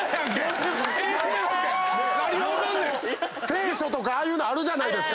聖書とかああいうのあるじゃないですか。